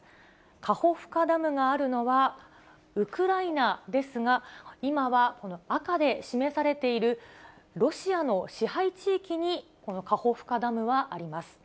カホフカダムがあるのは、ウクライナですが、今はこの赤で示されている、ロシアの支配地域にこのカホフカダムはあります。